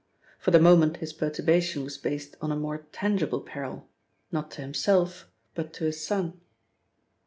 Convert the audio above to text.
For the moment his perturbation was based on a more tangible peril, not to himself, but to his son.